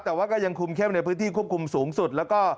แต่ว่าก็ยังคุมเข้มในพื้นที่ควบคุมสูงสุดแล้วก็